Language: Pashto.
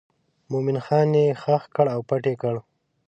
مومن خان یې ښخ کړ او پټ یې کړ.